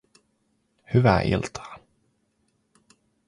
Hyvää iltaa